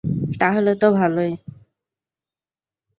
তাহলে তো ভালোই।